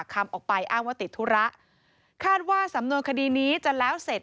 คาดว่าสำนวนคดีนี้จะแล้วเสร็จ